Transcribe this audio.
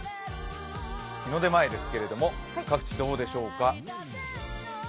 日の出前ですけれども、各地、どうでしょうか。